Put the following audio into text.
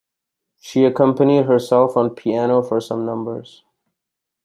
She accompanied herself on piano for some numbers.